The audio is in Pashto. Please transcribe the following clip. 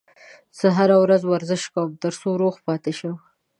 زه هره ورځ ورزش کوم ترڅو روغ پاتې شم